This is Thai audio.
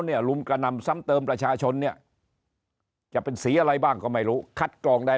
ลุมกระนำซ้ำเติมประชาชนเนี่ยจะเป็นสีอะไรบ้างก็ไม่รู้คัดกรองได้